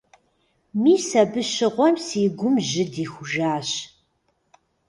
Мис абы щыгъуэм си гум жьы дихужащ.